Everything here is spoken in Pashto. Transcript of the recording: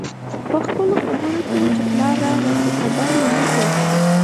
پخپلو خبرو کې وو چې پلار راغی خو خبر مو نه کړ